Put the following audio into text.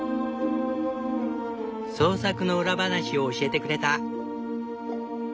創作の裏話を教えてくれた。